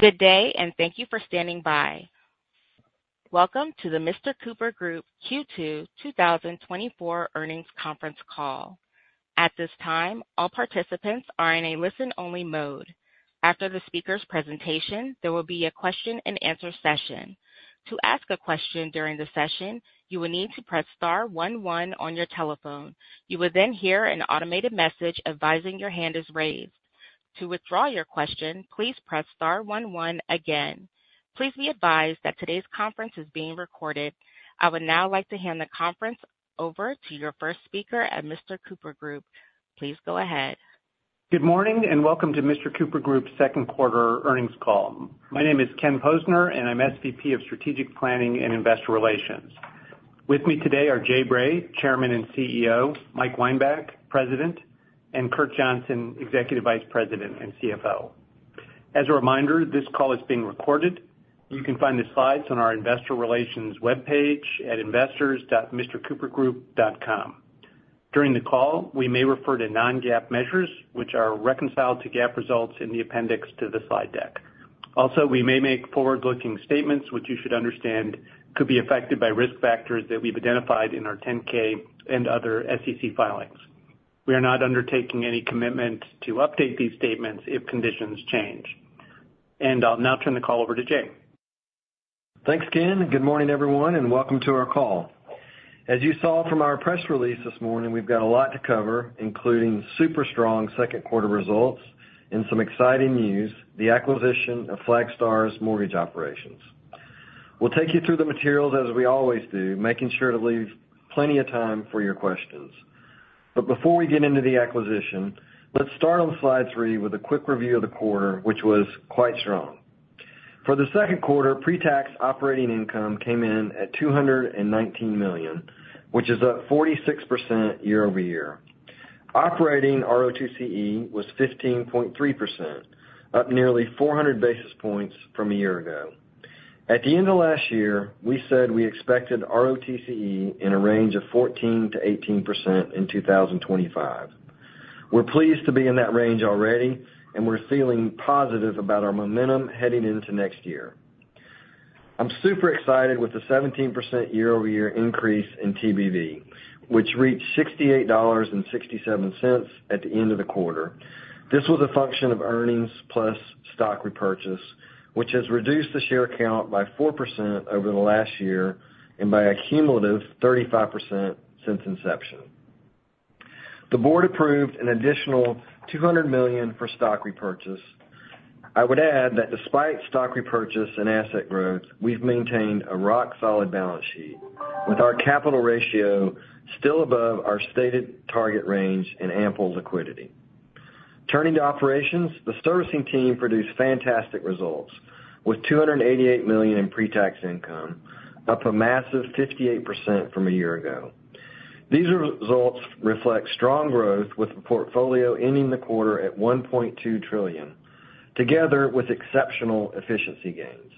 Good day, and thank you for standing by. Welcome to the Mr. Cooper Group Q2 2024 Earnings Conference Call. At this time, all participants are in a listen-only mode. After the speaker's presentation, there will be a question-and-answer session. To ask a question during the session, you will need to press star one one on your telephone. You will then hear an automated message advising your hand is raised. To withdraw your question, please press star one one again. Please be advised that today's conference is being recorded. I would now like to hand the conference over to your first speaker at Mr. Cooper Group. Please go ahead. Good morning, and welcome to Mr. Cooper Group's second quarter earnings call. My name is Ken Posner, and I'm SVP of Strategic Planning and Investor Relations. With me today are Jay Bray, Chairman and CEO, Mike Weinbach, President, and Kurt Johnson, Executive Vice President and CFO. As a reminder, this call is being recorded. You can find the slides on our investor relations webpage at investors.mrcoopergroup.com. During the call, we may refer to non-GAAP measures, which are reconciled to GAAP results in the appendix to the slide deck. Also, we may make forward-looking statements, which you should understand could be affected by risk factors that we've identified in our 10-K and other SEC filings. We are not undertaking any commitment to update these statements if conditions change. I'll now turn the call over to Jay. Thanks, Ken. Good morning, everyone, and welcome to our call. As you saw from our press release this morning, we've got a lot to cover, including super strong second quarter results and some exciting news, the acquisition of Flagstar's mortgage operations. We'll take you through the materials, as we always do, making sure to leave plenty of time for your questions. But before we get into the acquisition, let's start on slide three with a quick review of the quarter, which was quite strong. For the second quarter, pre-tax operating income came in at $219 million, which is up 46% year-over-year. Operating ROTCE was 15.3%, up nearly 400 basis points from a year ago. At the end of last year, we said we expected ROTCE in a range of 14%-18% in 2025. We're pleased to be in that range already, and we're feeling positive about our momentum heading into next year. I'm super excited with the 17% year-over-year increase in TBV, which reached $68.67 at the end of the quarter. This was a function of earnings plus stock repurchase, which has reduced the share count by 4% over the last year and by a cumulative 35% since inception. The board approved an additional $200 million for stock repurchase. I would add that despite stock repurchase and asset growth, we've maintained a rock-solid balance sheet, with our capital ratio still above our stated target range and ample liquidity. Turning to operations, the servicing team produced fantastic results, with $288 million in pre-tax income, up a massive 58% from a year ago. These results reflect strong growth, with the portfolio ending the quarter at $1.2 trillion, together with exceptional efficiency gains.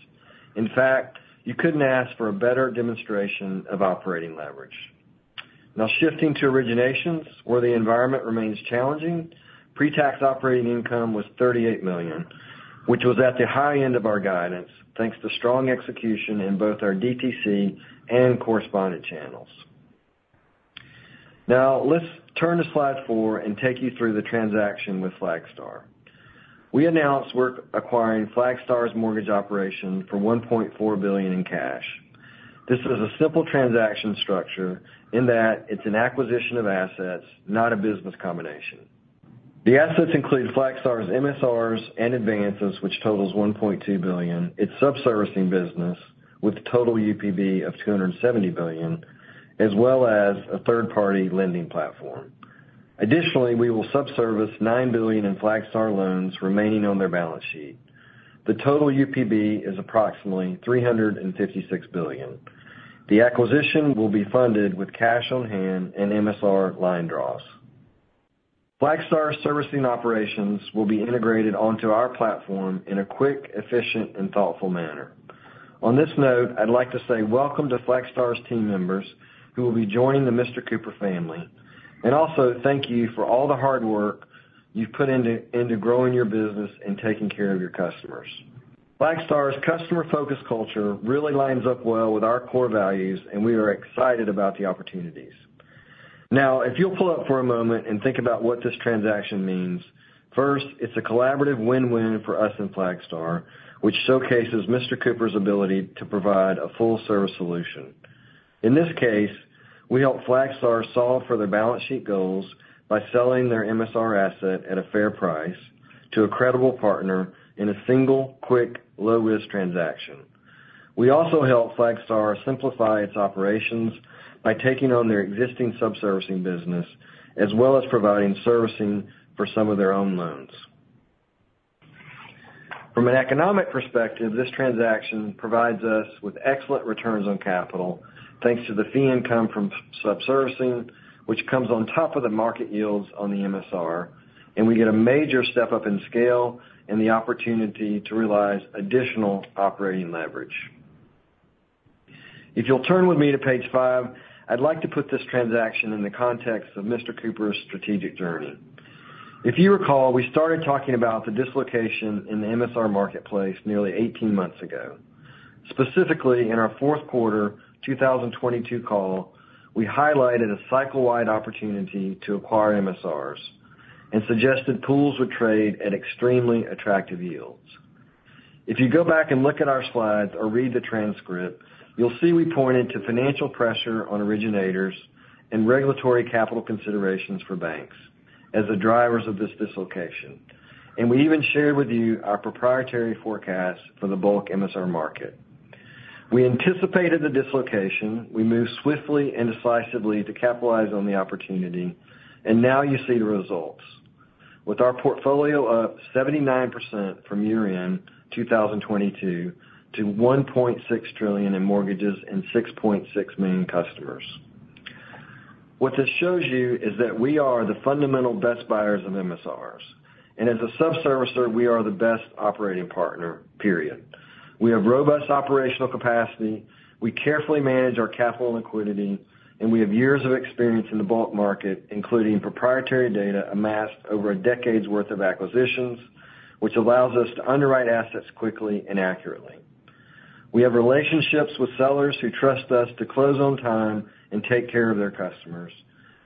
In fact, you couldn't ask for a better demonstration of operating leverage. Now, shifting to originations, where the environment remains challenging, pre-tax operating income was $38 million, which was at the high end of our guidance, thanks to strong execution in both our DTC and correspondent channels. Now, let's turn to slide four and take you through the transaction with Flagstar. We announced we're acquiring Flagstar's mortgage operation for $1.4 billion in cash. This is a simple transaction structure in that it's an acquisition of assets, not a business combination. The assets include Flagstar's MSRs and advances, which totals $1.2 billion, its subservicing business, with a total UPB of $270 billion, as well as a third-party lending platform. Additionally, we will subservice $9 billion in Flagstar loans remaining on their balance sheet. The total UPB is approximately $356 billion. The acquisition will be funded with cash on hand and MSR line draws. Flagstar servicing operations will be integrated onto our platform in a quick, efficient, and thoughtful manner. On this note, I'd like to say welcome to Flagstar's team members, who will be joining the Mr. Cooper family, and also thank you for all the hard work you've put into growing your business and taking care of your customers. Flagstar's customer-focused culture really lines up well with our core values, and we are excited about the opportunities. Now, if you'll pull up for a moment and think about what this transaction means, first, it's a collaborative win-win for us and Flagstar, which showcases Mr. Cooper's ability to provide a full service solution. In this case, we help Flagstar solve for their balance sheet goals by selling their MSR asset at a fair price to a credible partner in a single, quick, low-risk transaction. We also help Flagstar simplify its operations by taking on their existing subservicing business, as well as providing servicing for some of their own loans. From an economic perspective, this transaction provides us with excellent returns on capital, thanks to the fee income from subservicing, which comes on top of the market yields on the MSR, and we get a major step-up in scale and the opportunity to realize additional operating leverage. If you'll turn with me to page 5, I'd like to put this transaction in the context of Mr. Cooper's strategic journey. If you recall, we started talking about the dislocation in the MSR marketplace nearly 18 months ago. Specifically, in our fourth quarter, 2022 call, we highlighted a cycle-wide opportunity to acquire MSRs and suggested pools would trade at extremely attractive yields. If you go back and look at our slides or read the transcript, you'll see we pointed to financial pressure on originators and regulatory capital considerations for banks as the drivers of this dislocation, and we even shared with you our proprietary forecast for the bulk MSR market. We anticipated the dislocation, we moved swiftly and decisively to capitalize on the opportunity, and now you see the results. With our portfolio up 79% from year-end 2022 to $1.6 trillion in mortgages and 6.6 million customers. What this shows you is that we are the fundamental best buyers of MSRs, and as a subservicer, we are the best operating partner, period. We have robust operational capacity, we carefully manage our capital and liquidity, and we have years of experience in the bulk market, including proprietary data amassed over a decade's worth of acquisitions, which allows us to underwrite assets quickly and accurately. We have relationships with sellers who trust us to close on time and take care of their customers,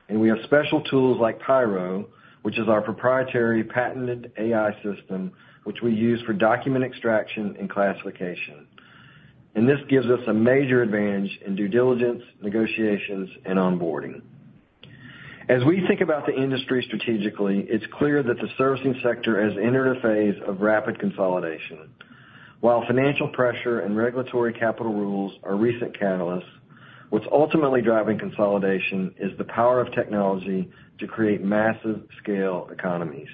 and we have special tools like Pyro, which is our proprietary patented AI system, which we use for document extraction and classification. And this gives us a major advantage in due diligence, negotiations, and onboarding. As we think about the industry strategically, it's clear that the servicing sector has entered a phase of rapid consolidation. While financial pressure and regulatory capital rules are recent catalysts, what's ultimately driving consolidation is the power of technology to create massive scale economies,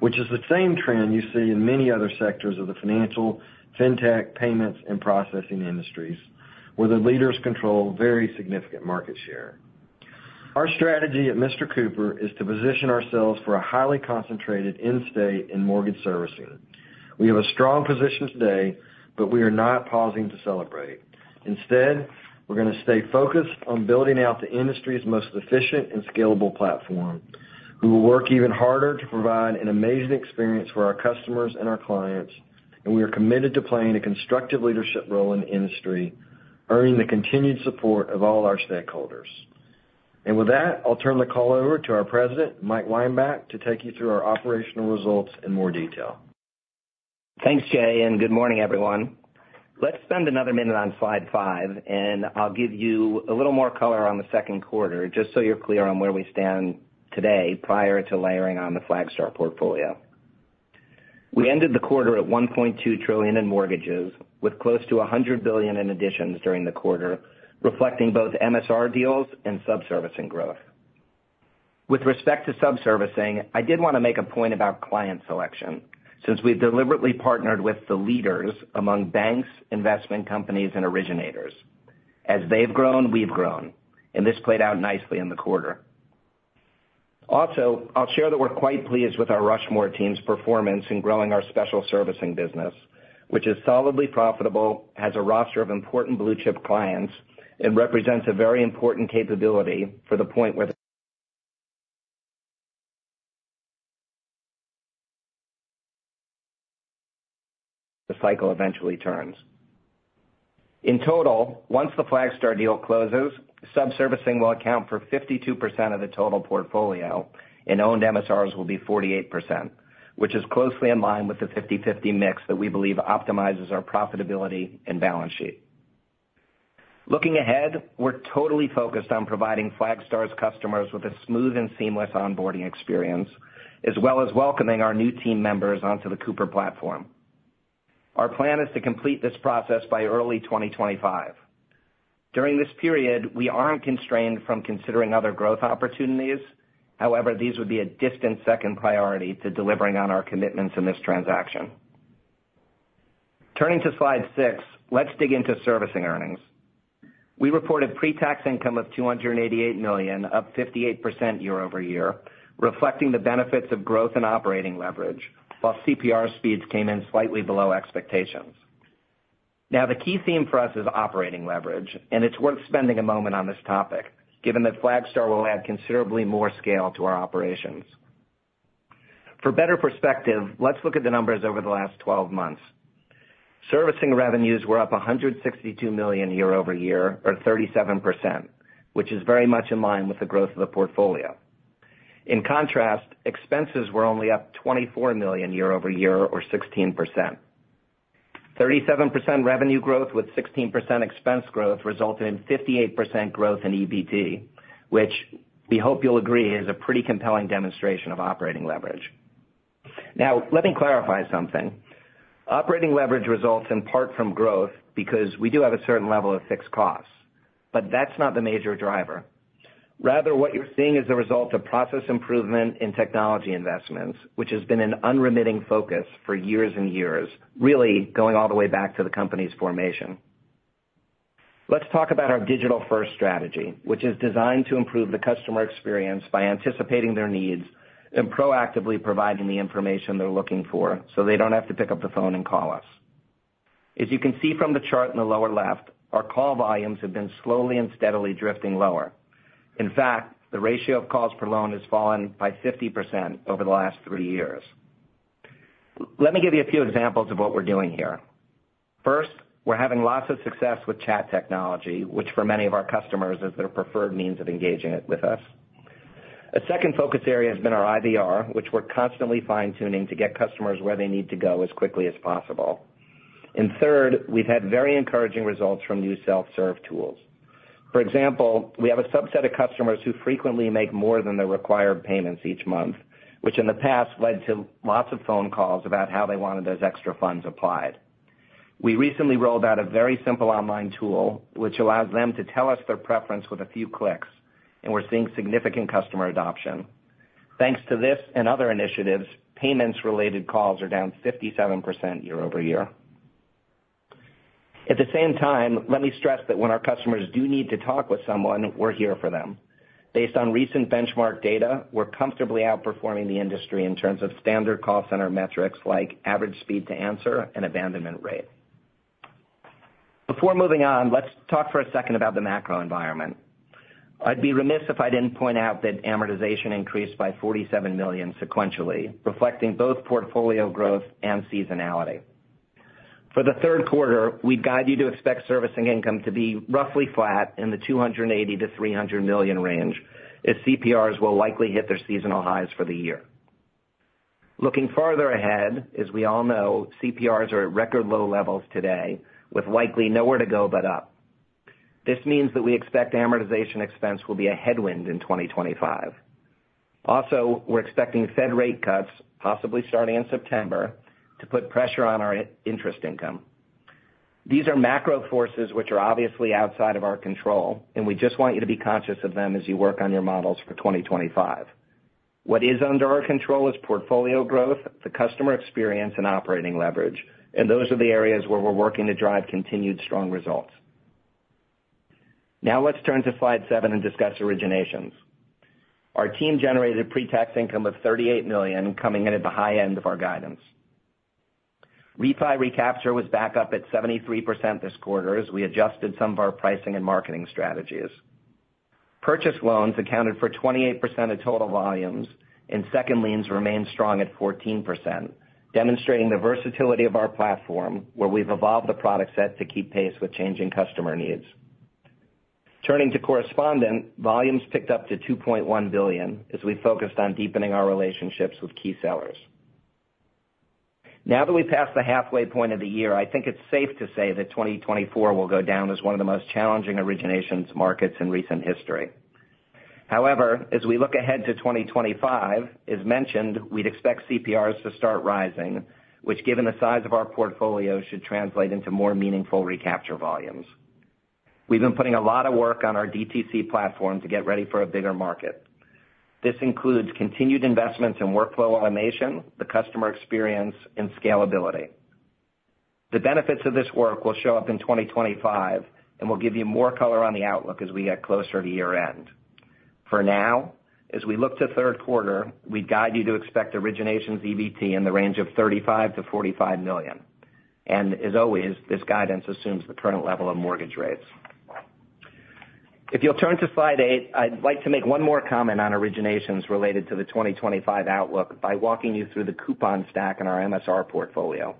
which is the same trend you see in many other sectors of the financial, fintech, payments, and processing industries, where the leaders control very significant market share. Our strategy at Mr. Cooper is to position ourselves for a highly concentrated end state in mortgage servicing. We have a strong position today, but we are not pausing to celebrate. Instead, we're going to stay focused on building out the industry's most efficient and scalable platform. We will work even harder to provide an amazing experience for our customers and our clients, and we are committed to playing a constructive leadership role in the industry, earning the continued support of all our stakeholders. With that, I'll turn the call over to our President, Mike Weinbach, to take you through our operational results in more detail. Thanks, Jay, and good morning, everyone. Let's spend another minute on slide five, and I'll give you a little more color on the second quarter, just so you're clear on where we stand today prior to layering on the Flagstar portfolio. We ended the quarter at $1.2 trillion in mortgages, with close to $100 billion in additions during the quarter, reflecting both MSR deals and subservicing growth. With respect to subservicing, I did want to make a point about client selection, since we've deliberately partnered with the leaders among banks, investment companies, and originators. As they've grown, we've grown, and this played out nicely in the quarter. Also, I'll share that we're quite pleased with our Rushmore team's performance in growing our special servicing business, which is solidly profitable, has a roster of important blue-chip clients, and represents a very important capability for the point where the cycle eventually turns. In total, once the Flagstar deal closes, subservicing will account for 52% of the total portfolio, and owned MSRs will be 48%, which is closely in line with the 50/50 mix that we believe optimizes our profitability and balance sheet. Looking ahead, we're totally focused on providing Flagstar's customers with a smooth and seamless onboarding experience, as well as welcoming our new team members onto the Cooper platform. Our plan is to complete this process by early 2025. During this period, we aren't constrained from considering other growth opportunities. However, these would be a distant second priority to delivering on our commitments in this transaction. Turning to slide six, let's dig into servicing earnings. We reported pre-tax income of $288 million, up 58% year-over-year, reflecting the benefits of growth and operating leverage, while CPR speeds came in slightly below expectations. Now, the key theme for us is operating leverage, and it's worth spending a moment on this topic, given that Flagstar will add considerably more scale to our operations. For better perspective, let's look at the numbers over the last 12 months. Servicing revenues were up $162 million year-over-year, or 37%, which is very much in line with the growth of the portfolio. In contrast, expenses were only up $24 million year-over-year, or 16%. 37% revenue growth with 16% expense growth resulted in 58% growth in EBT, which we hope you'll agree is a pretty compelling demonstration of operating leverage. Now, let me clarify something. Operating leverage results in part from growth because we do have a certain level of fixed costs, but that's not the major driver. Rather, what you're seeing is the result of process improvement in technology investments, which has been an unremitting focus for years and years, really going all the way back to the company's formation. Let's talk about our digital-first strategy, which is designed to improve the customer experience by anticipating their needs and proactively providing the information they're looking for, so they don't have to pick up the phone and call us. As you can see from the chart in the lower left, our call volumes have been slowly and steadily drifting lower. In fact, the ratio of calls per loan has fallen by 50% over the last 3 years. Let me give you a few examples of what we're doing here. First, we're having lots of success with chat technology, which for many of our customers, is their preferred means of engaging it with us. A second focus area has been our IVR, which we're constantly fine-tuning to get customers where they need to go as quickly as possible. And third, we've had very encouraging results from new self-serve tools. For example, we have a subset of customers who frequently make more than the required payments each month, which in the past led to lots of phone calls about how they wanted those extra funds applied. We recently rolled out a very simple online tool, which allows them to tell us their preference with a few clicks, and we're seeing significant customer adoption. Thanks to this and other initiatives, payments-related calls are down 57% year-over-year. At the same time, let me stress that when our customers do need to talk with someone, we're here for them. Based on recent benchmark data, we're comfortably outperforming the industry in terms of standard call center metrics, like average speed to answer and abandonment rate. Before moving on, let's talk for a second about the macro environment. I'd be remiss if I didn't point out that amortization increased by $47 million sequentially, reflecting both portfolio growth and seasonality. For the third quarter, we'd guide you to expect servicing income to be roughly flat in the $280 million-$300 million range, as CPRs will likely hit their seasonal highs for the year. Looking farther ahead, as we all know, CPRs are at record low levels today, with likely nowhere to go but up. This means that we expect amortization expense will be a headwind in 2025. Also, we're expecting Fed rate cuts, possibly starting in September, to put pressure on our interest income. These are macro forces which are obviously outside of our control, and we just want you to be conscious of them as you work on your models for 2025. What is under our control is portfolio growth, the customer experience, and operating leverage, and those are the areas where we're working to drive continued strong results. Now let's turn to Slide 7 and discuss originations. Our team generated a pre-tax income of $38 million, coming in at the high end of our guidance. Refi recapture was back up at 73% this quarter as we adjusted some of our pricing and marketing strategies. Purchase loans accounted for 28% of total volumes, and second liens remained strong at 14%, demonstrating the versatility of our platform, where we've evolved the product set to keep pace with changing customer needs. Turning to correspondent, volumes ticked up to $2.1 billion as we focused on deepening our relationships with key sellers. Now that we've passed the halfway point of the year, I think it's safe to say that 2024 will go down as one of the most challenging originations markets in recent history. However, as we look ahead to 2025, as mentioned, we'd expect CPRs to start rising, which, given the size of our portfolio, should translate into more meaningful recapture volumes. We've been putting a lot of work on our DTC platform to get ready for a bigger market. This includes continued investments in workflow automation, the customer experience, and scalability. The benefits of this work will show up in 2025, and we'll give you more color on the outlook as we get closer to year-end. For now, as we look to third quarter, we'd guide you to expect originations EBT in the range of $35 million-$45 million. And as always, this guidance assumes the current level of mortgage rates. If you'll turn to Slide 8, I'd like to make one more comment on originations related to the 2025 outlook by walking you through the coupon stack in our MSR portfolio.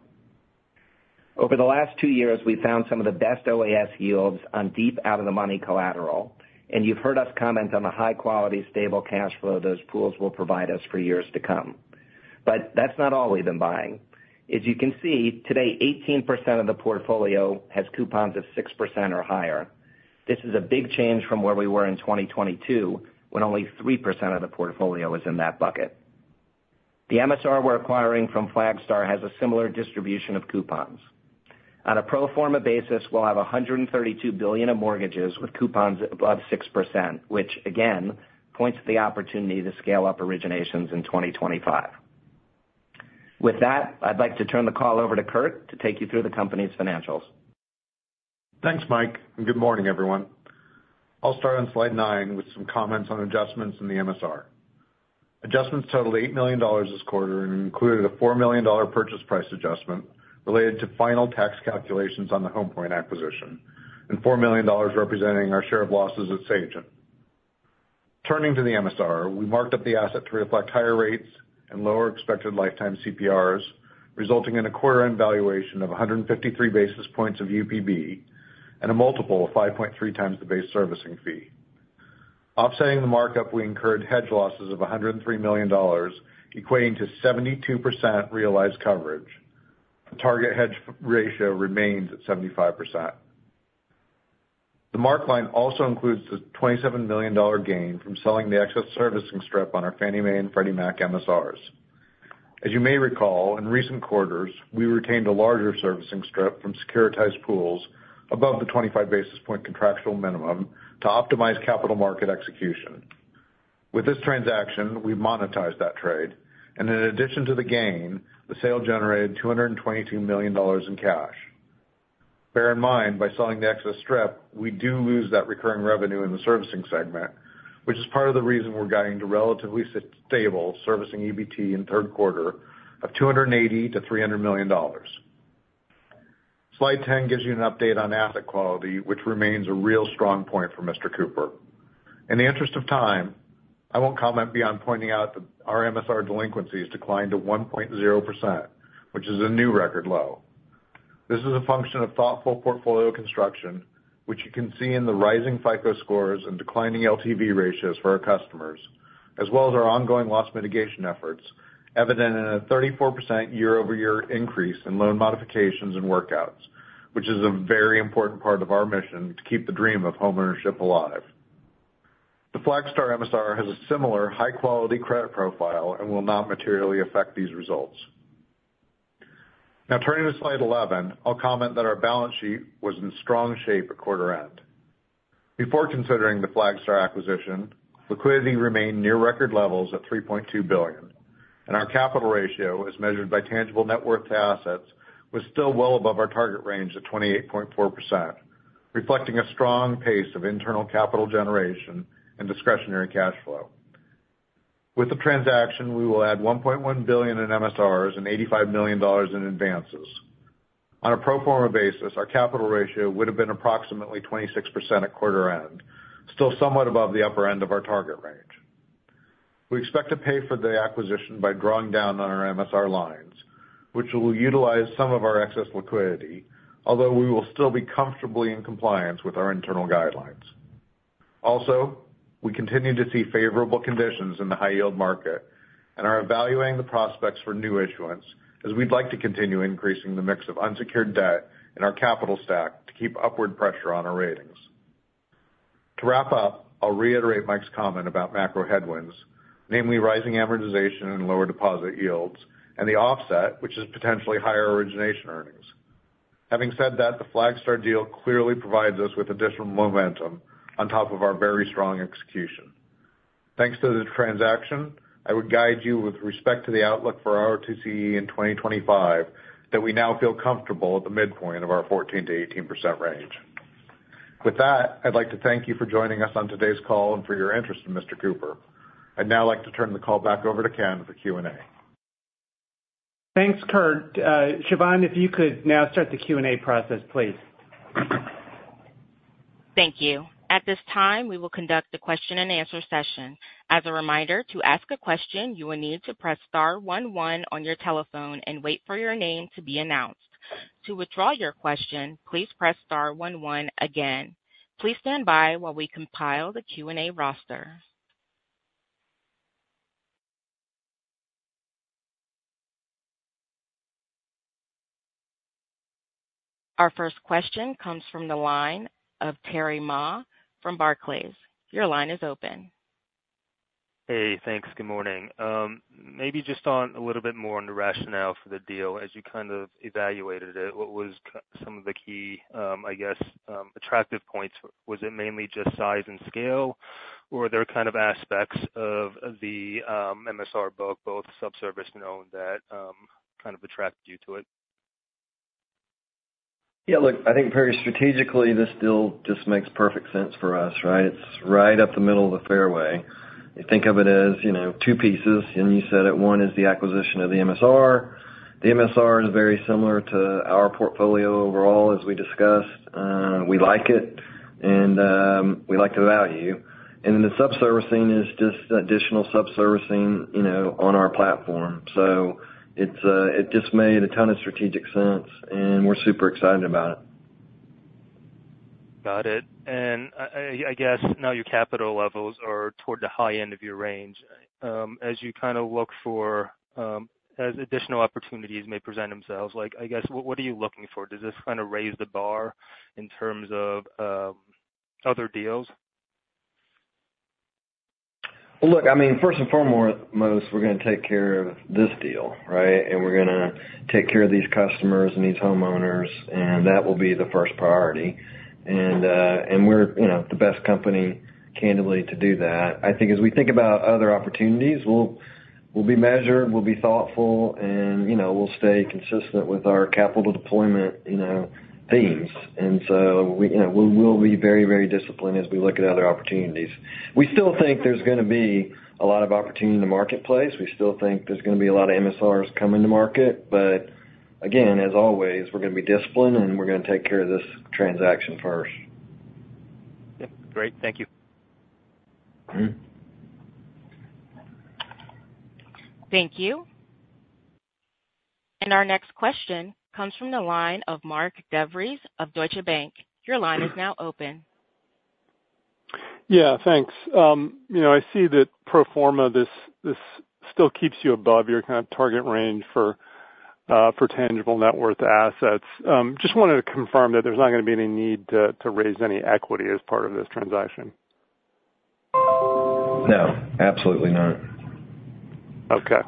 Over the last two years, we've found some of the best OAS yields on deep out-of-the-money collateral, and you've heard us comment on the high-quality, stable cash flow those pools will provide us for years to come. But that's not all we've been buying. As you can see, today, 18% of the portfolio has coupons of 6% or higher. This is a big change from where we were in 2022, when only 3% of the portfolio was in that bucket. The MSR we're acquiring from Flagstar has a similar distribution of coupons. On a pro forma basis, we'll have $132 billion of mortgages with coupons above 6%, which again, points to the opportunity to scale up originations in 2025. With that, I'd like to turn the call over to Kurt to take you through the company's financials. Thanks, Mike, and good morning, everyone. I'll start on Slide 9 with some comments on adjustments in the MSR. Adjustments totaled $8 million this quarter and included a $4 million purchase price adjustment related to final tax calculations on the Home Point acquisition and $4 million representing our share of losses at Sagent. Turning to the MSR, we marked up the asset to reflect higher rates and lower expected lifetime CPRs, resulting in a quarter-end valuation of 153 basis points of UPB and a multiple of 5.3x the base servicing fee. Offsetting the markup, we incurred hedge losses of $103 million, equating to 72% realized coverage. The target hedge ratio remains at 75%. The mark line also includes the $27 million gain from selling the excess servicing strip on our Fannie Mae and Freddie Mac MSRs. As you may recall, in recent quarters, we retained a larger servicing strip from securitized pools above the 25 basis points contractual minimum to optimize capital market execution. With this transaction, we've monetized that trade, and in addition to the gain, the sale generated $222 million in cash. Bear in mind, by selling the excess strip, we do lose that recurring revenue in the servicing segment, which is part of the reason we're guiding to relatively stable servicing EBT in third quarter of $280 million-$300 million. Slide 10 gives you an update on asset quality, which remains a real strong point for Mr. Cooper. In the interest of time, I won't comment beyond pointing out that our MSR delinquencies declined to 1.0%, which is a new record low. This is a function of thoughtful portfolio construction, which you can see in the rising FICO scores and declining LTV ratios for our customers, as well as our ongoing loss mitigation efforts, evident in a 34% year-over-year increase in loan modifications and workouts, which is a very important part of our mission to keep the dream of homeownership alive. The Flagstar MSR has a similar high-quality credit profile and will not materially affect these results. Now, turning to slide 11, I'll comment that our balance sheet was in strong shape at quarter end. Before considering the Flagstar acquisition, liquidity remained near record levels at $3.2 billion, and our capital ratio, as measured by tangible net worth to assets, was still well above our target range of 28.4%, reflecting a strong pace of internal capital generation and discretionary cash flow. With the transaction, we will add $1.1 billion in MSRs and $85 million in advances. On a pro forma basis, our capital ratio would have been approximately 26% at quarter end, still somewhat above the upper end of our target range. We expect to pay for the acquisition by drawing down on our MSR lines, which will utilize some of our excess liquidity, although we will still be comfortably in compliance with our internal guidelines. Also, we continue to see favorable conditions in the high yield market and are evaluating the prospects for new issuance, as we'd like to continue increasing the mix of unsecured debt in our capital stack to keep upward pressure on our ratings. To wrap up, I'll reiterate Mike's comment about macro headwinds, namely rising amortization and lower deposit yields, and the offset, which is potentially higher origination earnings. Having said that, the Flagstar deal clearly provides us with additional momentum on top of our very strong execution. Thanks to the transaction, I would guide you with respect to the outlook for ROTCE in 2025, that we now feel comfortable at the midpoint of our 14%-18% range. With that, I'd like to thank you for joining us on today's call and for your interest in Mr. Cooper. I'd now like to turn the call back over to Ken for Q&A. Thanks, Kurt. Siobhan, if you could now start the Q&A process, please. Thank you. At this time, we will conduct a question-and-answer session. As a reminder, to ask a question, you will need to press star one one on your telephone and wait for your name to be announced. To withdraw your question, please press star one one again. Please stand by while we compile the Q&A roster. Our first question comes from the line of Terry Ma from Barclays. Your line is open. Hey, thanks. Good morning. Maybe just on a little bit more on the rationale for the deal. As you kind of evaluated it, what was some of the key, I guess, attractive points? Was it mainly just size and scale, or were there kind of aspects of, of the, MSR book, both subservicing and owned, that, kind of attracted you to it? Yeah, look, I think very strategically, this deal just makes perfect sense for us, right? It's right up the middle of the fairway. I think of it as, you know, two pieces, and you said it, one is the acquisition of the MSR. The MSR is very similar to our portfolio overall, as we discussed. We like it, and we like the value. And then the subservicing is just additional subservicing, you know, on our platform. So it's, it just made a ton of strategic sense, and we're super excited about it. Got it. And I guess now your capital levels are toward the high end of your range. As you kind of look for, as additional opportunities may present themselves, like, I guess, what are you looking for? Does this kind of raise the bar in terms of other deals? Well, look, I mean, first and foremost, we're going to take care of this deal, right? And we're gonna take care of these customers and these homeowners, and that will be the first priority. And we're, you know, the best company, candidly, to do that. I think as we think about other opportunities, we'll be measured, we'll be thoughtful, and, you know, we'll stay consistent with our capital deployment, you know, themes. And so we, you know, we will be very, very disciplined as we look at other opportunities. We still think there's gonna be a lot of opportunity in the marketplace. We still think there's gonna be a lot of MSRs coming to market. But again, as always, we're gonna be disciplined, and we're gonna take care of this transaction first. Yeah. Great. Thank you. Thank you. Our next question comes from the line of Mark DeVries of Deutsche Bank. Your line is now open. Yeah, thanks. You know, I see that pro forma, this still keeps you above your kind of target range for for tangible net worth assets. Just wanted to confirm that there's not gonna be any need to raise any equity as part of this transaction? No, absolutely not. Okay.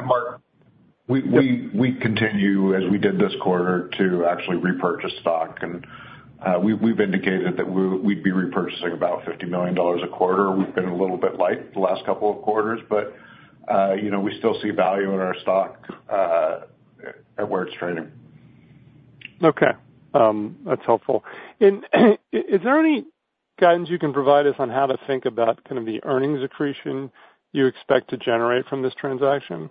Mark, we continue, as we did this quarter, to actually repurchase stock, and we've indicated that we'd be repurchasing about $50 million a quarter. We've been a little bit light the last couple of quarters, but you know, we still see value in our stock at where it's trading. Okay. That's helpful. Is there any guidance you can provide us on how to think about kind of the earnings accretion you expect to generate from this transaction?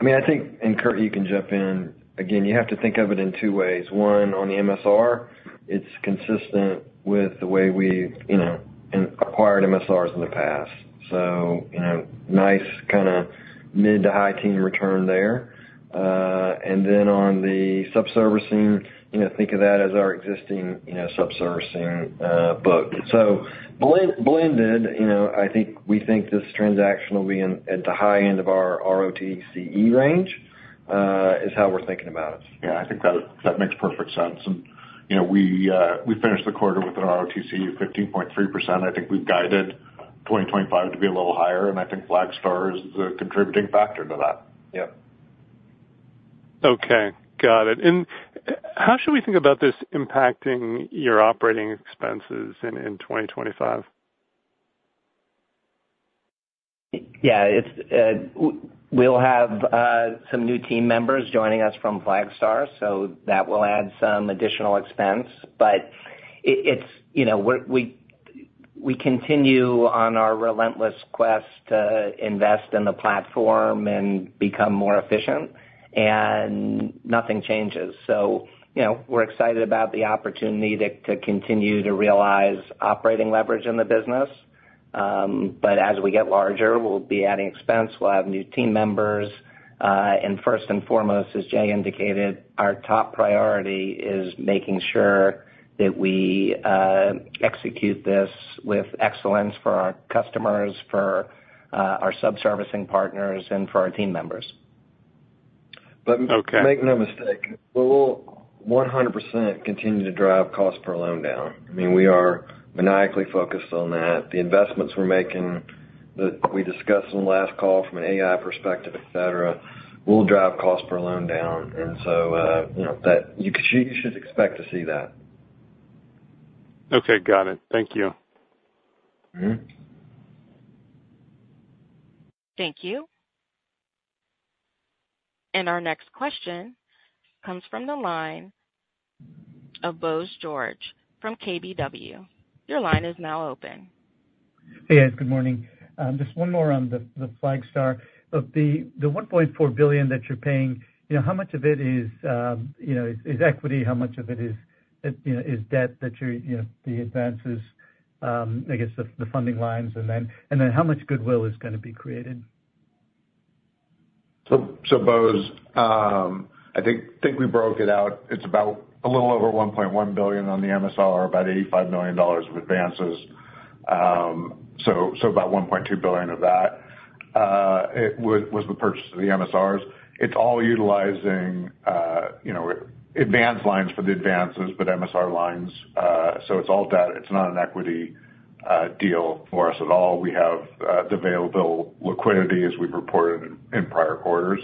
I mean, I think, and Kurt, you can jump in. Again, you have to think of it in two ways. One, on the MSR, it's consistent with the way we, you know, acquired MSRs in the past. So, you know, nice kind of mid to high teen return there. And then on the subservicing, you know, think of that as our existing, you know, subservicing book. So blended, you know, I think we think this transaction will be in, at the high end of our ROTCE range, is how we're thinking about it. Yeah, I think that, that makes perfect sense. And, you know, we, we finished the quarter with an ROTCE of 15.3%. I think we've guided 2025 to be a little higher, and I think Flagstar is a contributing factor to that. Yep. Okay, got it. And how should we think about this impacting your operating expenses in 2025? Yeah, it's, we'll have some new team members joining us from Flagstar, so that will add some additional expense. But it's, you know, we continue on our relentless quest to invest in the platform and become more efficient, and nothing changes. So, you know, we're excited about the opportunity to continue to realize operating leverage in the business. But as we get larger, we'll be adding expense, we'll have new team members. And first and foremost, as Jay indicated, our top priority is making sure that we execute this with excellence for our customers, for our subservicing partners, and for our team members. Okay. Make no mistake, we will 100% continue to drive cost per loan down. I mean, we are maniacally focused on that. The investments we're making that we discussed on the last call from an AI perspective, et cetera, will drive cost per loan down. And so, you know, that you should expect to see that. Okay, got it. Thank you. Mm-hmm. Thank you. Our next question comes from the line of Bose George from KBW. Your line is now open. Hey, guys, good morning. Just one more on the Flagstar. Of the $1.4 billion that you're paying, you know, how much of it is, you know, is equity, how much of it is, you know, is debt that you're, you know, the advances, I guess the funding lines? And then how much goodwill is going to be created? Bose, I think we broke it out. It's about a little over $1.1 billion on the MSR, about $85 million of advances. So, about $1.2 billion of that, it was the purchase of the MSRs. It's all utilizing, you know, advance lines for the advances, but MSR lines. So it's all debt. It's not an equity deal for us at all. We have the available liquidity as we've reported in prior quarters.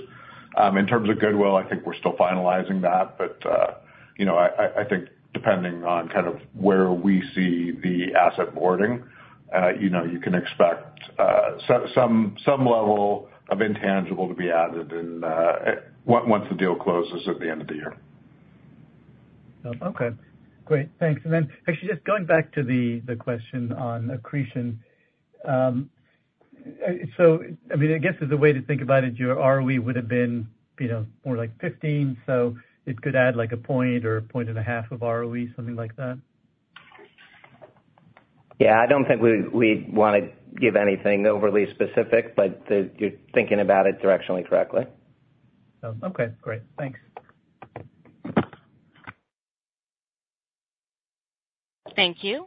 In terms of goodwill, I think we're still finalizing that. But, you know, I think depending on kind of where we see the asset onboarding, you know, you can expect some level of intangible to be added and, once the deal closes at the end of the year. Okay, great. Thanks. And then actually, just going back to the question on accretion. So I mean, I guess there's a way to think about it, your ROE would have been, you know, more like 15, so it could add like a point or a point and a half of ROE, something like that? Yeah. I don't think we, we'd want to give anything overly specific, but you're thinking about it directionally correctly. Okay, great. Thanks. Thank you.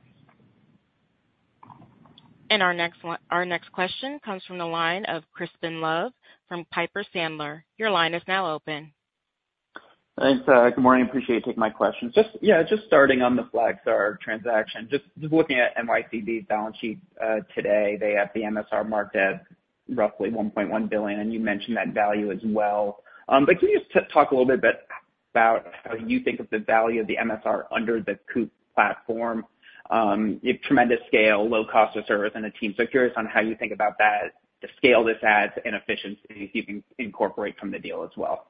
Our next question comes from the line of Crispin Love from Piper Sandler. Your line is now open. Thanks. Good morning. Appreciate you taking my question. Just, yeah, just starting on the Flagstar transaction. Just, just looking at NYCB's balance sheet, today, they have the MSR marked at roughly $1.1 billion, and you mentioned that value as well. But can you just talk a little bit about how you think of the value of the MSR under the Cooper platform? You have tremendous scale, low cost of service, and a team. So curious on how you think about that, the scale this adds in efficiency you can incorporate from the deal as well.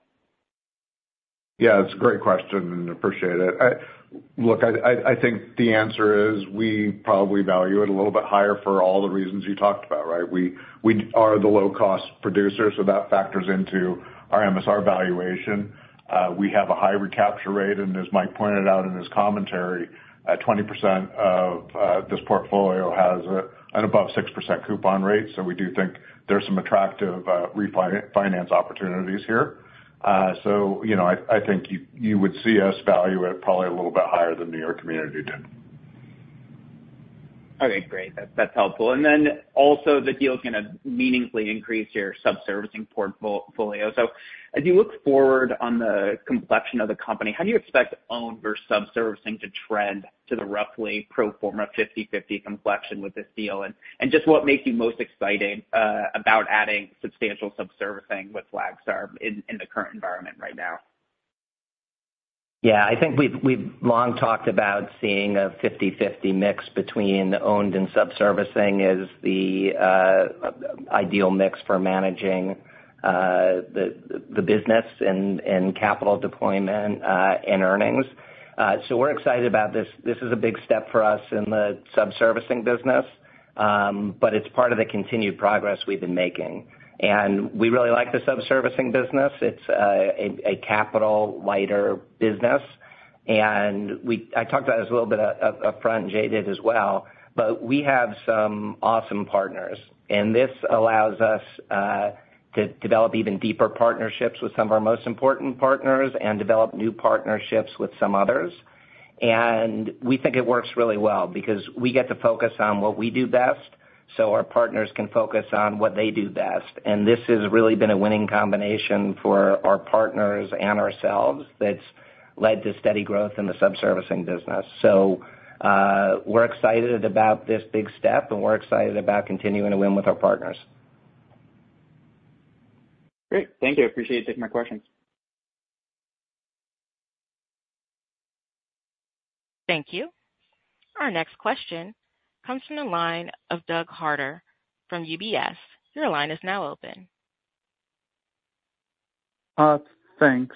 Yeah, it's a great question, and appreciate it. Look, I think the answer is we probably value it a little bit higher for all the reasons you talked about, right? We are the low-cost producer, so that factors into our MSR valuation. We have a high recapture rate, and as Mike pointed out in his commentary, 20% of this portfolio has an above 6% coupon rate. So we do think there's some attractive refinance opportunities here. So you know, I think you would see us value it probably a little bit higher than New York Community did. Okay, great. That's, that's helpful. And then also, the deal is going to meaningfully increase your subservicing portfolio. So as you look forward on the complexion of the company, how do you expect owned versus subservicing to trend to the roughly pro forma 50/50 complexion with this deal? And just what makes you most excited about adding substantial subservicing with Flagstar in the current environment right now? Yeah, I think we've long talked about seeing a 50/50 mix between owned and subservicing as the ideal mix for managing the business and capital deployment and earnings. So we're excited about this. This is a big step for us in the subservicing business, but it's part of the continued progress we've been making. We really like the subservicing business. It's a capital lighter business, and we, I talked about this a little bit up front, and Jay did as well, but we have some awesome partners, and this allows us to develop even deeper partnerships with some of our most important partners and develop new partnerships with some others. We think it works really well because we get to focus on what we do best, so our partners can focus on what they do best. And this has really been a winning combination for our partners and ourselves that's led to steady growth in the subservicing business. So, we're excited about this big step, and we're excited about continuing to win with our partners. Great. Thank you. I appreciate you taking my questions. Thank you. Our next question comes from the line of Douglas Harter from UBS. Your line is now open. Thanks.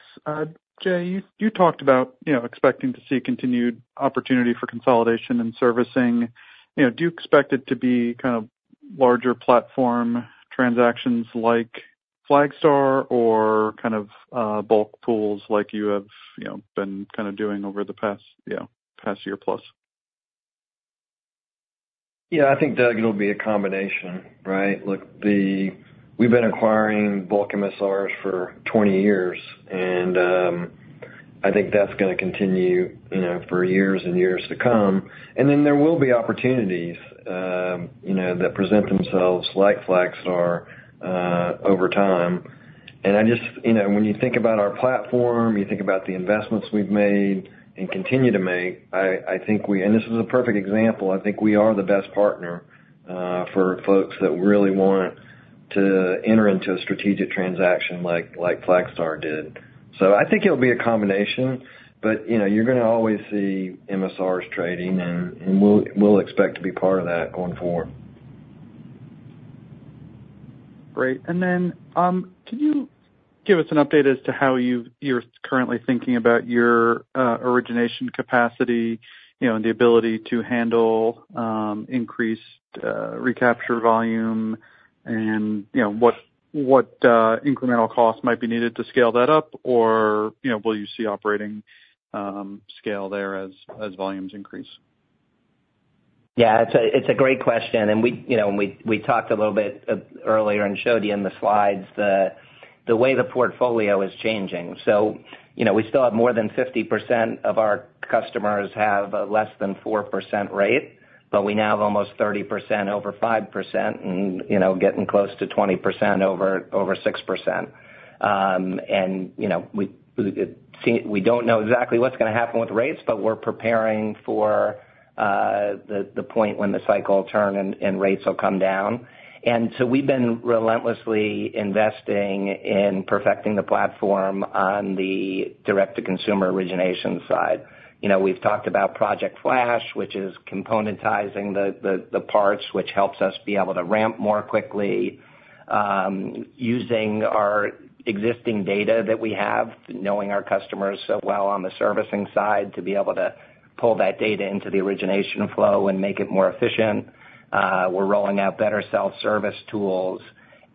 Jay, you talked about, you know, expecting to see continued opportunity for consolidation and servicing. You know, do you expect it to be kind of larger platform transactions like Flagstar or kind of bulk pools like you have, you know, been kind of doing over the past, you know, past year plus? Yeah, I think, Doug, it'll be a combination, right? Look, we've been acquiring bulk MSRs for 20 years, and, I think that's gonna continue, you know, for years and years to come. And then there will be opportunities, you know, that present themselves like Flagstar, over time. And I just, you know, when you think about our platform, you think about the investments we've made and continue to make, I think we... And this is a perfect example. I think we are the best partner, for folks that really want to enter into a strategic transaction like Flagstar did. So I think it'll be a combination, but, you know, you're gonna always see MSRs trading, and we'll expect to be part of that going forward. Great. Then, can you give us an update as to how you're currently thinking about your origination capacity, you know, and the ability to handle increased recapture volume and, you know, what incremental costs might be needed to scale that up? Or, you know, will you see operating scale there as volumes increase? Yeah, it's a great question, and we, you know, talked a little bit earlier and showed you in the slides the way the portfolio is changing. So, you know, we still have more than 50% of our customers have a less than 4% rate, but we now have almost 30% over 5% and, you know, getting close to 20% over 6%. And, you know, we see—we don't know exactly what's gonna happen with rates, but we're preparing for the point when the cycle will turn and rates will come down. And so we've been relentlessly investing in perfecting the platform on the direct-to-consumer origination side. You know, we've talked about Project Flash, which is componentizing the parts, which helps us be able to ramp more quickly, using our existing data that we have, knowing our customers so well on the servicing side, to be able to pull that data into the origination flow and make it more efficient. We're rolling out better self-service tools.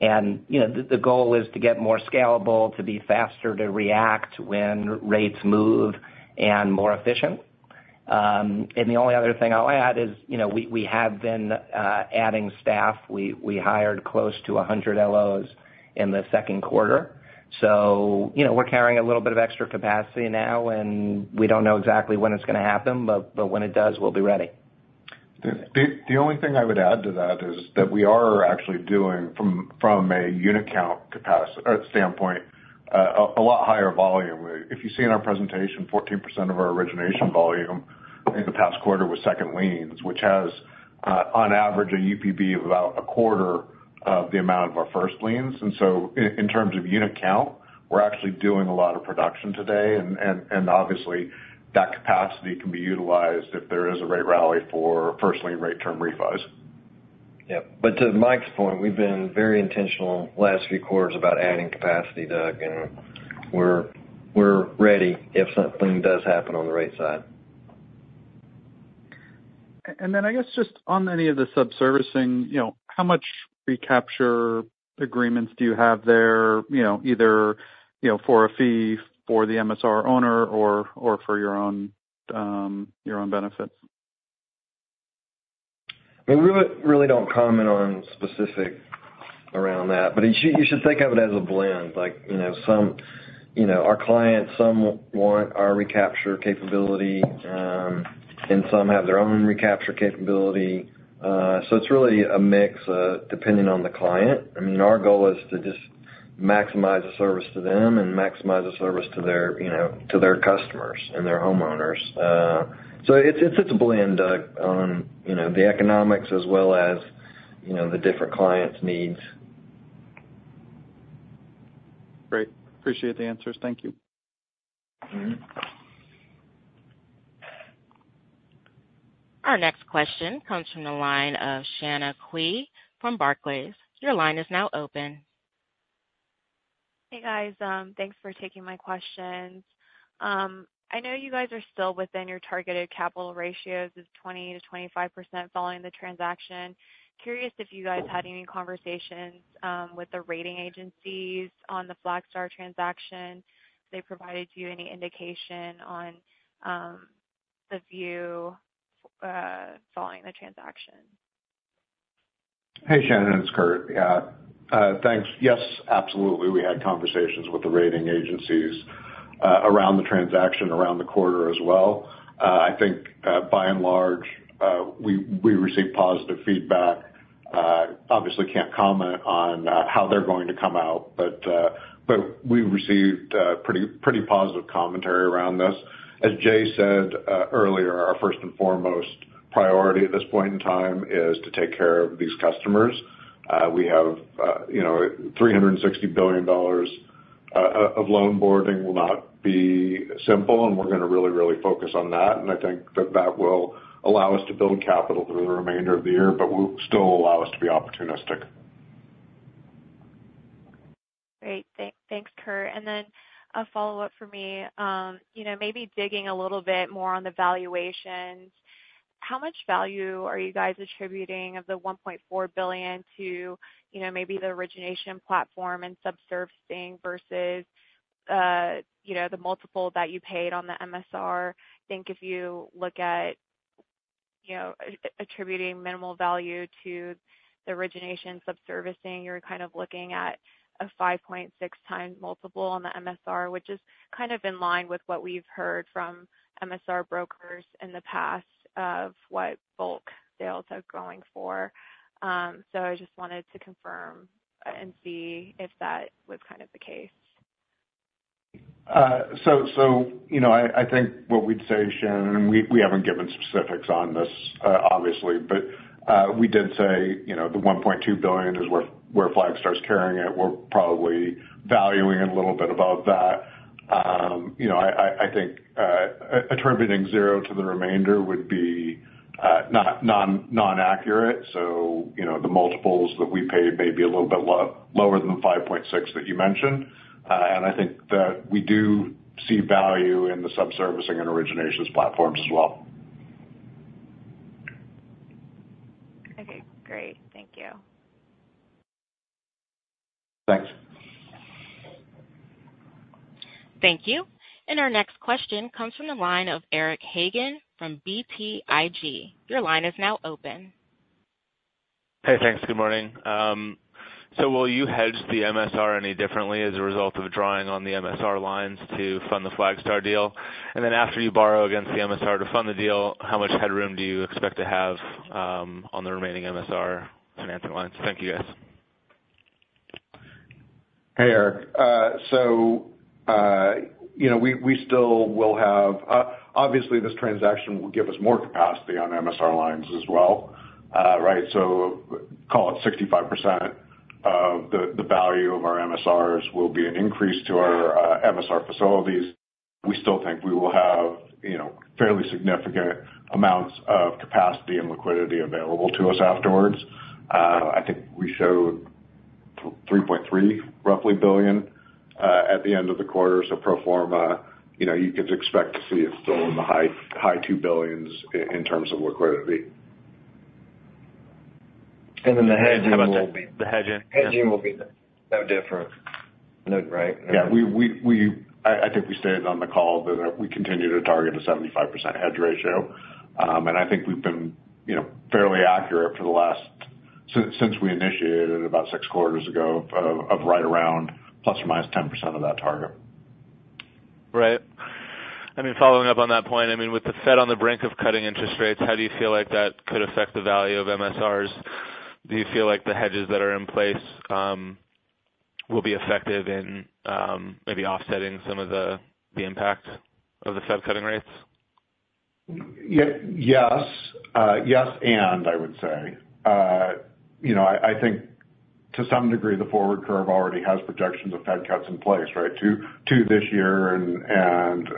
And, you know, the goal is to get more scalable, to be faster to react when rates move and more efficient. And the only other thing I'll add is, you know, we have been adding staff. We hired close to 100 LOs in the second quarter. So, you know, we're carrying a little bit of extra capacity now, and we don't know exactly when it's gonna happen, but when it does, we'll be ready. The only thing I would add to that is that we are actually doing, from a unit count capacity standpoint, a lot higher volume. If you see in our presentation, 14% of our origination volume in the past quarter was second liens, which has, on average, a UPB of about a quarter of the amount of our first liens. And so in terms of unit count, we're actually doing a lot of production today, and obviously, that capacity can be utilized if there is a rate rally for first lien rate term refis. Yep. But to Mike's point, we've been very intentional last few quarters about adding capacity, Doug, and we're ready if something does happen on the right side. And then I guess just on any of the subservicing, you know, how much recapture agreements do you have there, you know, either, you know, for a fee for the MSR owner or, or for your own, your own benefits? We really, really don't comment on specific around that, but you should, you should think of it as a blend. Like, you know, some, you know, our clients, some want our recapture capability, and some have their own recapture capability. So it's really a mix, depending on the client. I mean, our goal is to just maximize the service to them and maximize the service to their, you know, to their customers and their homeowners. So it's, it's, it's a blend, Doug, you know, the economics as well as, you know, the different clients' needs. Great. Appreciate the answers. Thank you. Mm-hmm. Our next question comes from the line of Shanna Qiu from Barclays. Your line is now open. Hey, guys, thanks for taking my questions. I know you guys are still within your targeted capital ratios of 20%-25% following the transaction. Curious if you guys had any conversations with the rating agencies on the Flagstar transaction. They provided you any indication on the view following the transaction? Hey, Shannon, it's Kurt. Yeah, thanks. Yes, absolutely, we had conversations with the rating agencies around the transaction, around the quarter as well. I think, by and large, we, we received positive feedback. Obviously, can't comment on how they're going to come out, but, but we received pretty, pretty positive commentary around this. As Jay said earlier, our first and foremost priority at this point in time is to take care of these customers. We have, you know, $360 billion of loan boarding will not be simple, and we're gonna really, really focus on that. And I think that that will allow us to build capital through the remainder of the year, but will still allow us to be opportunistic. Great. Thanks, Kurt. And then a follow-up for me. You know, maybe digging a little bit more on the valuations. How much value are you guys attributing of the $1.4 billion to, you know, maybe the origination platform and subservicing versus, you know, the multiple that you paid on the MSR? I think if you look at, you know, attributing minimal value to the origination subservicing, you're kind of looking at a 5.6x multiple on the MSR, which is kind of in line with what we've heard from MSR brokers in the past of what bulk sales are going for. So I just wanted to confirm, and see if that was kind of the case. So, you know, I think what we'd say, Shannon, and we haven't given specifics on this, obviously, but we did say, you know, the $1.2 billion is where Flagstar is carrying it. We're probably valuing it a little bit above that. You know, I think attributing zero to the remainder would be not accurate. So, you know, the multiples that we paid may be a little bit lower than the 5.6 that you mentioned. And I think that we do see value in the subservicing and originations platforms as well. Okay, great. Thank you. Thanks. Thank you. And our next question comes from the line of Eric Hagen from BTIG. Your line is now open. Hey, thanks. Good morning. So will you hedge the MSR any differently as a result of drawing on the MSR lines to fund the Flagstar deal? And then after you borrow against the MSR to fund the deal, how much headroom do you expect to have on the remaining MSR financing lines? Thank you, guys. Hey, Eric. So, you know, we, we still will have, obviously, this transaction will give us more capacity on MSR lines as well. Right, so call it 65% of the, the value of our MSRs will be an increase to our MSR facilities. We still think we will have, you know, fairly significant amounts of capacity and liquidity available to us afterwards. I think we showed three point three, roughly $3.3 billion at the end of the quarter. So pro forma, you know, you could expect to see it still in the high, high $2 billion in terms of liquidity. And then the hedging will be- The hedging. The hedging will be no different, right? Yeah, I think we stated on the call that we continue to target a 75% hedge ratio. And I think we've been, you know, fairly accurate since we initiated about six quarters ago, right around plus or minus 10% of that target. Right. I mean, following up on that point, I mean, with the Fed on the brink of cutting interest rates, how do you feel like that could affect the value of MSRs? Do you feel like the hedges that are in place will be effective in maybe offsetting some of the impact of the Fed cutting rates? Yes, yes, and I would say, you know, I think to some degree, the forward curve already has projections of Fed cuts in place, right? two this year and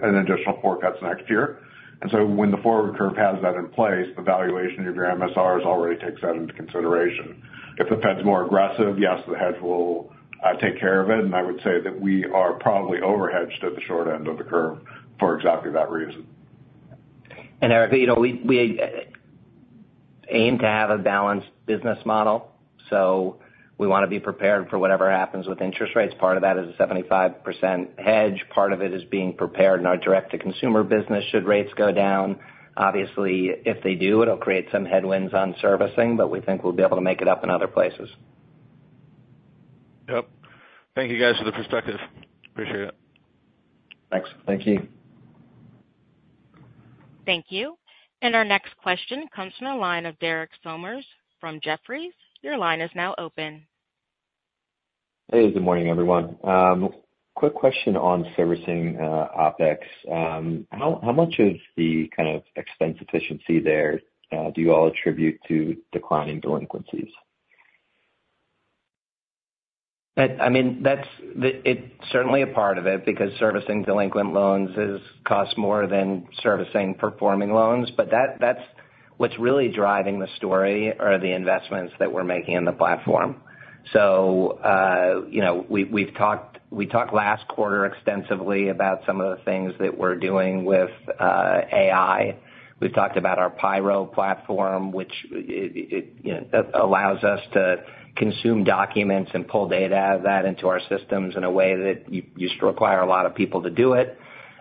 an additional four cuts next year. And so when the forward curve has that in place, the valuation of your MSRs already takes that into consideration. If the Fed's more aggressive, yes, the hedge will take care of it. And I would say that we are probably overhedged at the short end of the curve for exactly that reason. Eric, you know, we aim to have a balanced business model, so we want to be prepared for whatever happens with interest rates. Part of that is a 75% hedge. Part of it is being prepared in our direct-to-consumer business should rates go down. Obviously, if they do, it'll create some headwinds on servicing, but we think we'll be able to make it up in other places. Yep. Thank you, guys, for the perspective. Appreciate it. Thanks. Thank you. Thank you. And our next question comes from the line of Derek Sommers from Jefferies. Your line is now open. Hey, good morning, everyone. Quick question on servicing, OpEx. How much of the kind of expense efficiency there do you all attribute to declining delinquencies? That, I mean, that's the, it's certainly a part of it because servicing delinquent loans costs more than servicing performing loans. But that, that's what's really driving the story are the investments that we're making in the platform. So, you know, we've talked, we talked last quarter extensively about some of the things that we're doing with AI. We've talked about our Pyro platform, which it, you know, allows us to consume documents and pull data out of that into our systems in a way that used to require a lot of people to do it.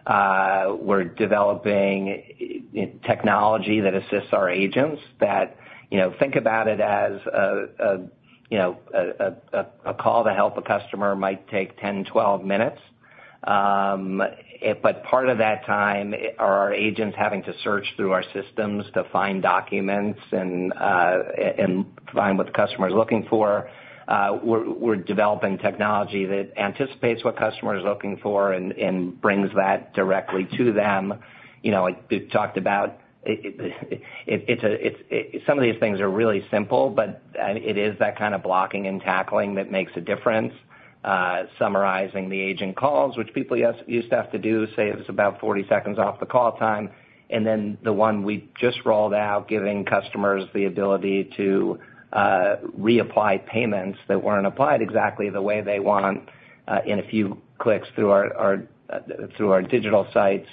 We're developing technology that assists our agents that, you know, think about it as a call to help a customer might take 10-12 minutes. But part of that time are our agents having to search through our systems to find documents and and find what the customer is looking for. We're developing technology that anticipates what the customer is looking for and brings that directly to them. You know, like we've talked about, it's some of these things are really simple, but it is that kind of blocking and tackling that makes a difference. Summarizing the agent calls, which people yes used to have to do, saves about 40 seconds off the call time. And then the one we just rolled out, giving customers the ability to reapply payments that weren't applied exactly the way they want in a few clicks through our digital sites.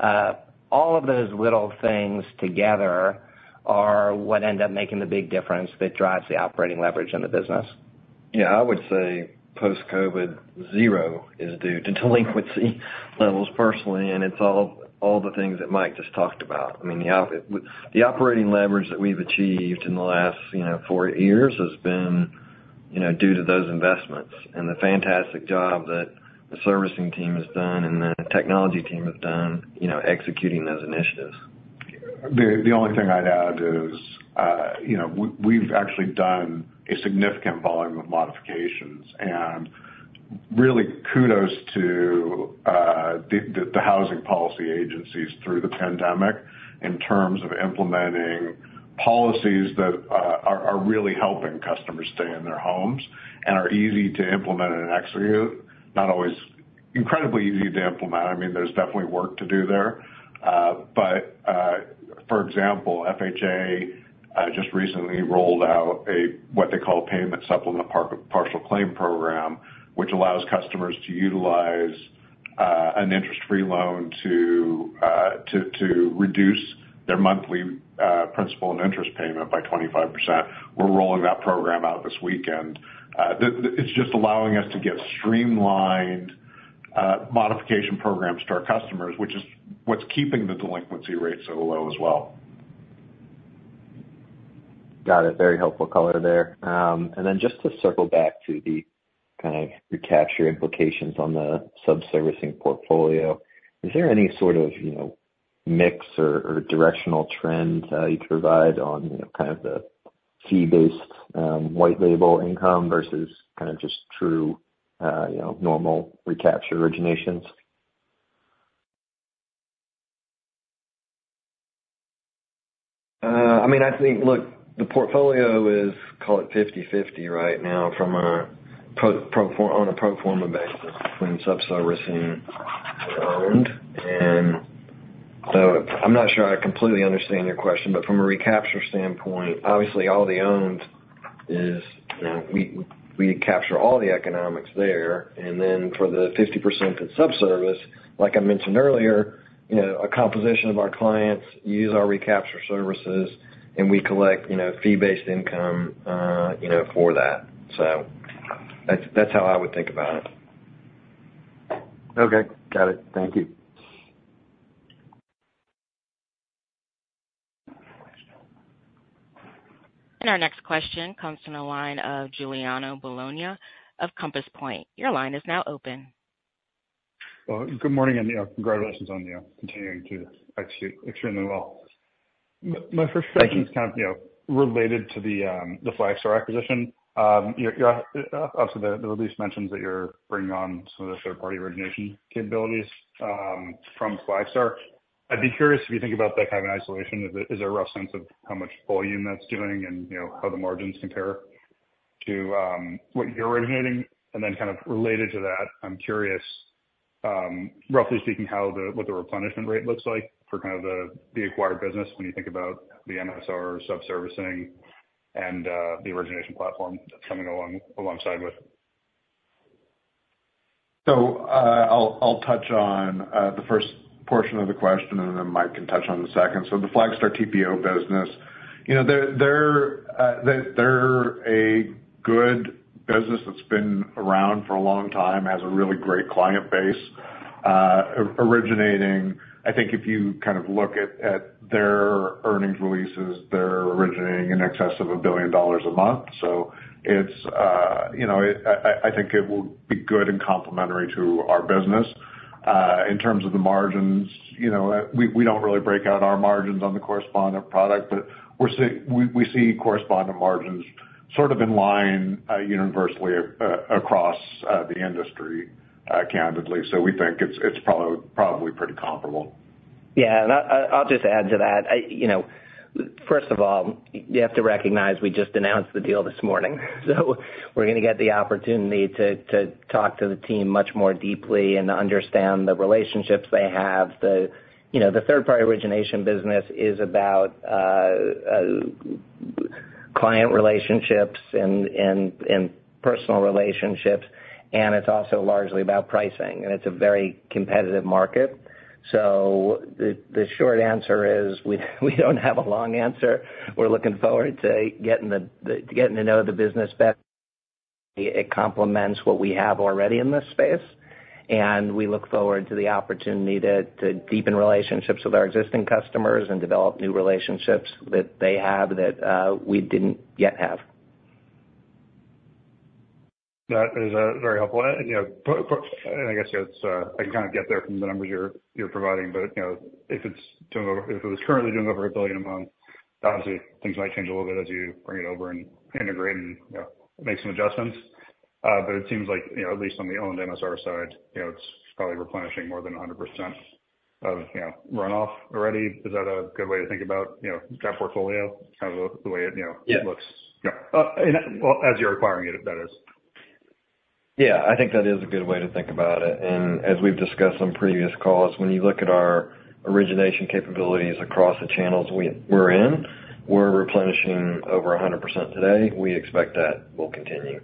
All of those little things together are what end up making the big difference that drives the operating leverage in the business. Yeah, I would say post-COVID, zero is due to delinquency levels personally, and it's all the things that Mike just talked about. I mean, the operating leverage that we've achieved in the last, you know, four years has been, you know, due to those investments and the fantastic job that the servicing team has done and the technology team has done, you know, executing those initiatives. The only thing I'd add is, you know, we've actually done a significant volume of modifications. And really kudos to the housing policy agencies through the pandemic in terms of implementing policies that are really helping customers stay in their homes and are easy to implement and execute. Not always incredibly easy to implement. I mean, there's definitely work to do there. But, for example, FHA just recently rolled out what they call a Payment Supplement Partial Claim program, which allows customers to utilize an interest-free loan to reduce their monthly principal and interest payment by 25%. We're rolling that program out this weekend. It's just allowing us to get streamlined modification programs to our customers, which is what's keeping the delinquency rate so low as well. Got it. Very helpful color there. And then just to circle back to the kind of recapture implications on the subservicing portfolio. Is there any sort of, you know, mix or directional trend you can provide on, you know, kind of the fee-based white label income versus kind of just true, you know, normal recapture originations? I mean, I think, look, the portfolio is, call it 50/50 right now from a pro forma, on a pro forma basis between subservicing and owned. And so I'm not sure I completely understand your question, but from a recapture standpoint, obviously all the owned is, you know, we capture all the economics there. And then for the 50% that subservicing, like I mentioned earlier, you know, a composition of our clients use our recapture services, and we collect, you know, fee-based income, you know, for that. So that's how I would think about it. Okay, got it. Thank you. Our next question comes from the line of Giuliano Bologna of Compass Point. Your line is now open. Well, good morning, and, you know, congratulations on, you know, continuing to execute extremely well. My first question- Thank you. is kind of, you know, related to the Flagstar acquisition. After the release mentions that you're bringing on some of the third-party origination capabilities from Flagstar. I'd be curious if you think about that kind of isolation, is there a rough sense of how much volume that's doing and, you know, how the margins compare to what you're originating? And then kind of related to that, I'm curious, roughly speaking, how the replenishment rate looks like for kind of the acquired business when you think about the MSR subservicing and the origination platform that's coming along, alongside with it. So, I'll touch on the first portion of the question, and then Mike can touch on the second. So the Flagstar TPO business, you know, they're a good business that's been around for a long time, has a really great client base, originating. I think if you kind of look at their earnings releases, they're originating in excess of $1 billion a month. So it's, you know, it, I think it will be good and complementary to our business. In terms of the margins, you know, we don't really break out our margins on the correspondent product, but we see correspondent margins sort of in line universally across the industry, candidly. So we think it's probably pretty comparable. Yeah, and I'll just add to that. You know, first of all, you have to recognize we just announced the deal this morning, so we're gonna get the opportunity to talk to the team much more deeply and to understand the relationships they have. You know, the third-party origination business is about client relationships and personal relationships, and it's also largely about pricing, and it's a very competitive market. So the short answer is, we don't have a long answer. We're looking forward to getting to know the business better. It complements what we have already in this space, and we look forward to the opportunity to deepen relationships with our existing customers and develop new relationships that they have that we didn't yet have. That is, very helpful. And, you know, and I guess it's, I can kind of get there from the numbers you're providing, but, you know, if it was currently doing over $1 billion a month, obviously things might change a little bit as you bring it over and integrate and, you know, make some adjustments. But it seems like, you know, at least on the owned MSR side, you know, it's probably replenishing more than 100% of, you know, runoff already. Is that a good way to think about, you know, that portfolio, kind of the way it, you know- Yeah. It looks? Yeah. And well, as you're acquiring it, that is. Yeah, I think that is a good way to think about it. And as we've discussed on previous calls, when you look at our origination capabilities across the channels we're in, we're replenishing over 100% today. We expect that will continue.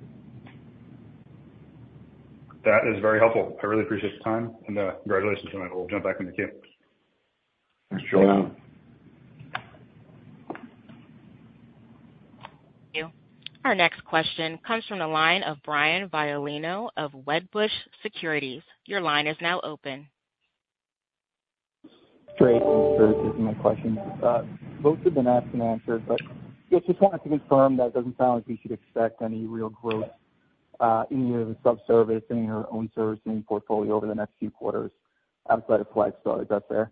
That is very helpful. I really appreciate the time, and, congratulations on it. We'll jump back in the queue. Thanks for joining. Thank you. Our next question comes from the line of Brian Violino of Wedbush Securities. Your line is now open. Great, thanks for taking my question. Most have been asked and answered, but just wanted to confirm that it doesn't sound like we should expect any real growth, in either the subservicing or own servicing portfolio over the next few quarters outside of Flagstar. Is that fair?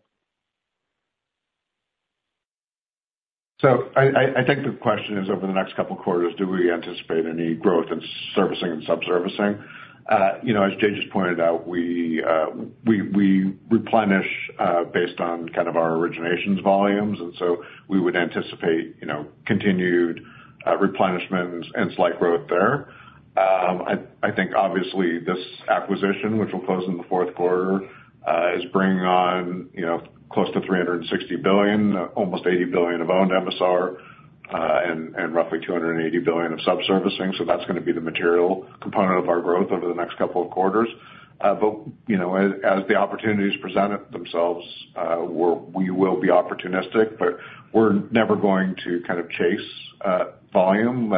So I think the question is, over the next couple quarters, do we anticipate any growth in servicing and subservicing? You know, as Jay just pointed out, we replenish based on kind of our originations volumes, and so we would anticipate, you know, continued replenishment and slight growth there. I think obviously this acquisition, which will close in the fourth quarter, is bringing on, you know, close to $360 billion, almost $80 billion of owned MSR, and roughly $280 billion of subservicing. So that's gonna be the material component of our growth over the next couple of quarters. But you know, as the opportunities present themselves, we will be opportunistic, but we're never going to kind of chase volume.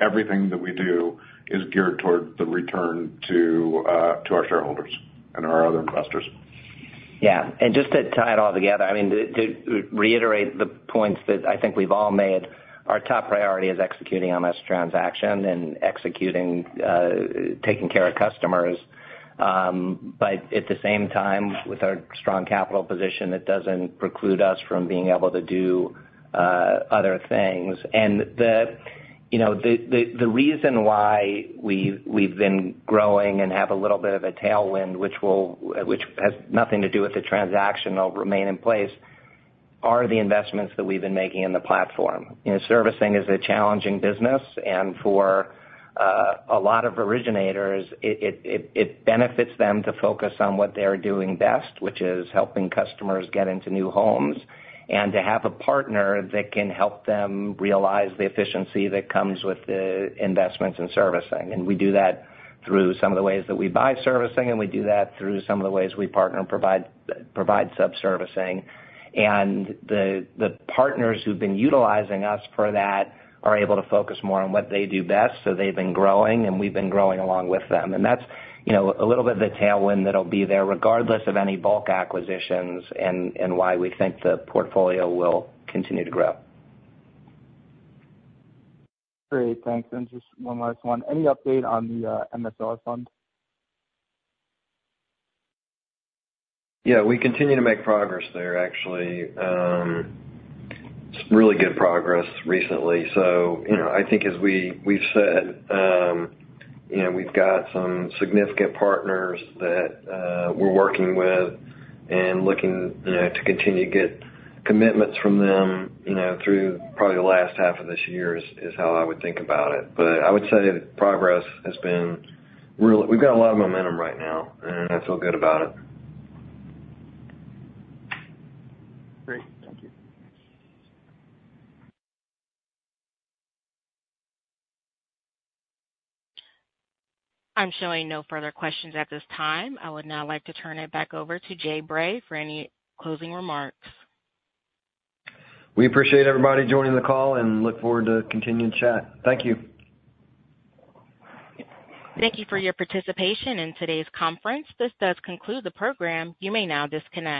Everything that we do is geared toward the return to our shareholders and our other investors. Yeah, and just to tie it all together, I mean, to reiterate the points that I think we've all made, our top priority is executing on this transaction and executing taking care of customers. But at the same time, with our strong capital position, it doesn't preclude us from being able to do other things. And, you know, the reason why we've been growing and have a little bit of a tailwind, which has nothing to do with the transaction, though, remain in place, are the investments that we've been making in the platform. You know, servicing is a challenging business, and for a lot of originators, it benefits them to focus on what they're doing best, which is helping customers get into new homes. And to have a partner that can help them realize the efficiency that comes with the investments in servicing, and we do that through some of the ways that we buy servicing, and we do that through some of the ways we partner and provide subservicing. And the partners who've been utilizing us for that are able to focus more on what they do best, so they've been growing, and we've been growing along with them. And that's, you know, a little bit of the tailwind that'll be there, regardless of any bulk acquisitions and why we think the portfolio will continue to grow. Great. Thanks. And just one last one: Any update on the, MSR fund? Yeah, we continue to make progress there, actually. Some really good progress recently. So, you know, I think as we, we've said, you know, we've got some significant partners that we're working with and looking, you know, to continue to get commitments from them, you know, through probably the last half of this year is how I would think about it. But I would say progress has been real. We've got a lot of momentum right now, and I feel good about it. Great. Thank you. I'm showing no further questions at this time. I would now like to turn it back over to Jay Bray for any closing remarks. We appreciate everybody joining the call and look forward to continuing the chat. Thank you. Thank you for your participation in today's conference. This does conclude the program. You may now disconnect.